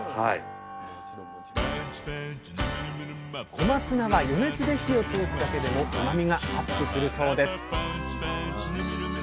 小松菜は余熱で火を通すだけでもうまみがアップするそうです！